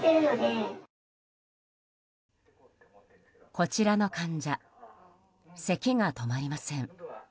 こちらの患者せきが止まりません。